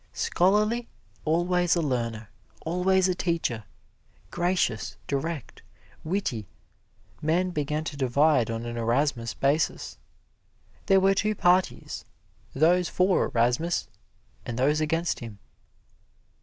Scholarly, always a learner, always a teacher, gracious, direct, witty, men began to divide on an Erasmus basis. There were two parties: those for Erasmus and those against him.